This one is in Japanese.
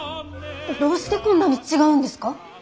どうしてこんなに違うんですか？